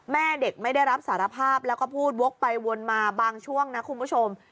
แม่เด็กไม่ได้รับสารภาพแล้วก็พูดวกไปวนมาบางช่วงนะคุณผู้ชม